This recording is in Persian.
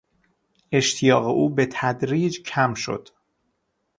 اشتیاق او به تدریج کم شد.